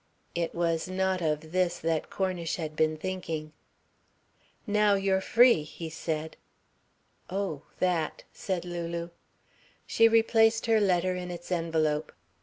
It was not of this that Cornish had been thinking. "Now you're free," he said. "Oh, that ..." said Lulu. She replaced her letter in its envelope.